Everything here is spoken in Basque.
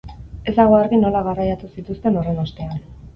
Ez dago argi nola garraiatu zituzten horren ostean.